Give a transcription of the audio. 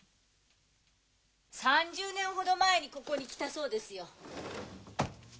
３０年ほど前にここに来たそうですよ。